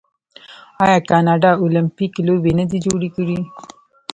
آیا کاناډا المپیک لوبې نه دي جوړې کړي؟